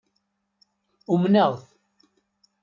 Umneɣ-t.